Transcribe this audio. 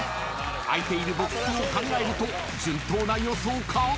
［空いているボックスを考えると順当な予想か］